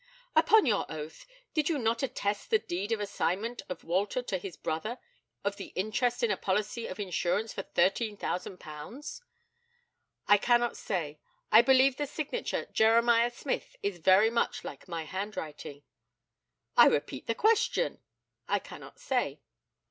Upon your oath, did you not attest the deed of assignment of Walter to his brother of his interest in a policy of insurance for £13,000? I cannot say. I believe the signature "Jeremiah Smith" is very much like my handwriting. I repeat the question? I cannot say.